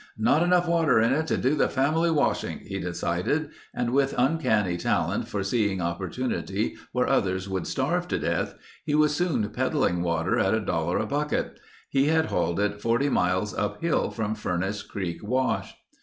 "Not enough water in it to do the family washing," he decided and with uncanny talent for seeing opportunity where others would starve to death, he was soon peddling water at a dollar a bucket. He had hauled it 40 miles uphill from Furnace Creek wash.